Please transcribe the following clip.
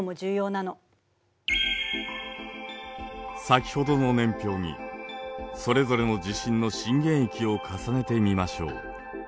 先ほどの年表にそれぞれの地震の震源域を重ねてみましょう。